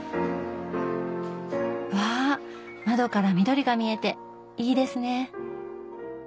わあ窓から緑が見えていいですね！